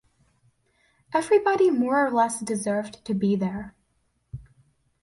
Everybody more or less deserved to be there.